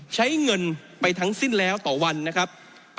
ใช้เงินไปทั้งสิ้นแล้วต่อวันนะครับ